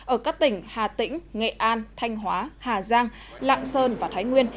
ở các tỉnh hà tĩnh nghệ an thanh hóa hà giang lạng sơn và thái nguyên